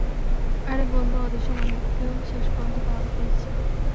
আরে বন্ধু, অদৃশ্য মানবকেও শেষ পর্যন্ত পাওয়া গিয়েছে।